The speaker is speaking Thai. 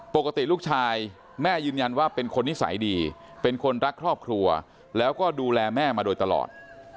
ปกติลูกชายแม่ยืนยันว่าเป็นคนนิสัยดีเป็นคนรักครอบครัวแล้วก็ดูแลแม่มาโดยตลอด